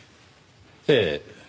ええ。